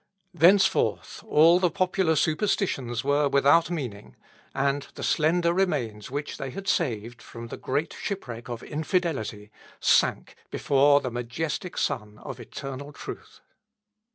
Thenceforth all the popular superstitions were without meaning, and the slender remains which they had saved from the great shipwreck of infidelity sank before the Majestic Sun of eternal truth.